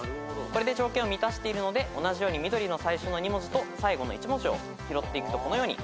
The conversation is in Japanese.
これで条件を満たしているので同じように緑の最初の２文字と最後の１文字を拾っていくとこのように。